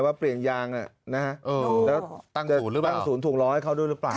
ว่าเปลี่ยนยางนะฮะเออตั้งศูนย์หรือเปล่าตั้งศูนย์ถูกร้องให้เขาด้วยหรือเปล่า